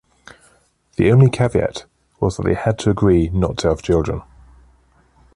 The only caveat was they had to agree not to have children.